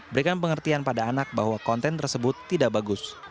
berikan pengertian pada anak bahwa konten tersebut tidak bagus